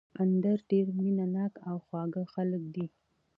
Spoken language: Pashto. اندړ ډېر مېنه ناک او خواږه خلک دي